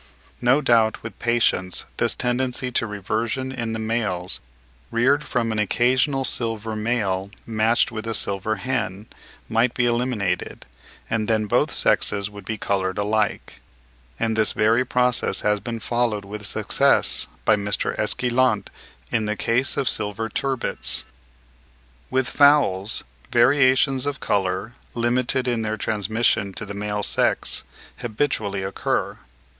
No doubt with patience this tendency to reversion in the males, reared from an occasional silver male matched with a silver hen, might be eliminated, and then both sexes would be coloured alike; and this very process has been followed with success by Mr. Esquilant in the case of silver turbits. With fowls, variations of colour, limited in their transmission to the male sex, habitually occur.